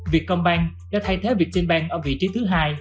việt công ban đã thay thế việt trinh ban ở vị trí thứ hai